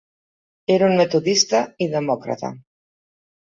Era un metodista i demòcrata.